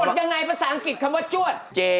ยังไงภาษาอังกฤษคำว่าจวด